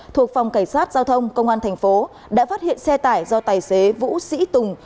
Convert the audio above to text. thuộc phòng cảnh sát giao thông công an thành phố đã phát hiện xe tải do tài xế vũ sĩ tùng